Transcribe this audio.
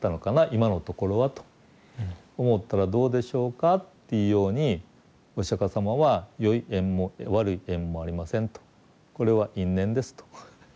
今のところはと思ったらどうでしょうかっていうようにお釈迦様は良い縁も悪い縁もありませんとこれは因縁ですと。